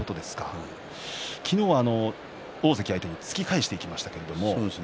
昨日は大関相手に突き返していきましたけど。